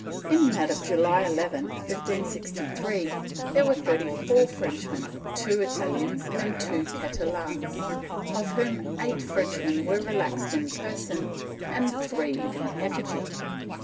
In that of July 11, 1563, there were thirty four Frenchmen, two Italians and two Catalans, of whom eight Frenchmen were relaxed in person and three in effigy.